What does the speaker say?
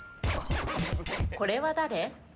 これは誰？